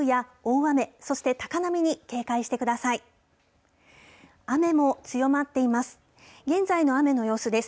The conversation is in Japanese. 雨も強まっています。